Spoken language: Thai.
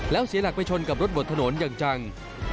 แล้วเสียหลักไปชนกับรถบดถนนอย่างจัง